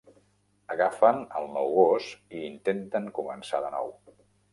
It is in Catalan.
Agafen el nou gos i intenten començar de nou.